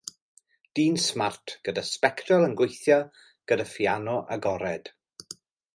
Dyn smart gyda sbectol yn gweithio gyda phiano agored.